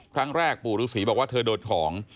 ครั้งแรกปู่รูสีบอกว่าเธอโดดของ